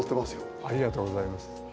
ありがとうございます。